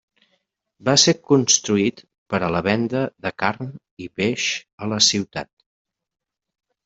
Va ser construït per a la venda de carn i peix a la ciutat.